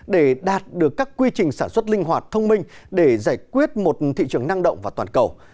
để đạt được các quy trình sản xuất linh hoạt thông minh để giải quyết một thị trường năng động và toàn cầu